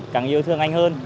càng yêu thương anh hơn